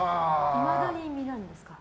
いまだに見るんですか？